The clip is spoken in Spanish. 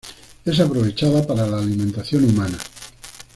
Es aprovechada para la alimentación humana.